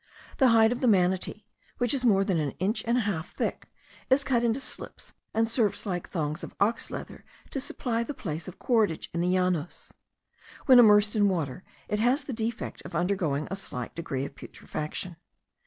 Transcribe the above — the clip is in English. The hide of the manati, which is more than an inch and a half thick, is cut into slips, and serves, like thongs of ox leather, to supply the place of cordage in the Llanos. When immersed in water, it has the defect of undergoing a slight degree of putrefaction.